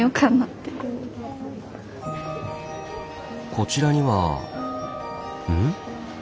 こちらにはうん？